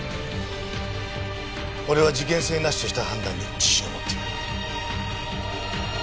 俺は事件性なしとした判断に自信を持っている。